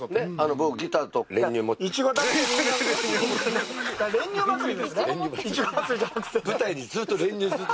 僕、ギターと練乳持って。